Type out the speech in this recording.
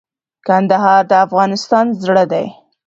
کندهار د افغانستان زړه دي